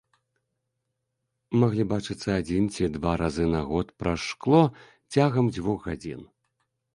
Маглі бачыцца адзін ці два разы на год праз шкло цягам дзвюх гадзін.